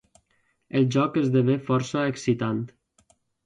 El joc esdevé força excitant.